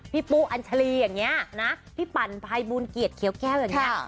พี่ปุ๊อันชรีอย่างนี้นะพี่ปันภัยบูรณ์เกียรติแคว้วอย่างนี้